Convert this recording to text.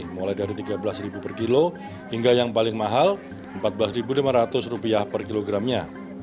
mulai dari rp tiga belas per kilo hingga yang paling mahal rp empat belas lima ratus per kilogramnya